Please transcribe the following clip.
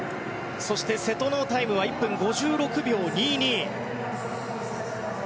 そして瀬戸のタイムは１分５６秒２２。